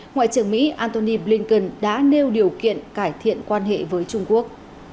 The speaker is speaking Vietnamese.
ngoại trưởng mỹ antony blinken đã nêu điều kiện cải thiện quan hệ với trung quốc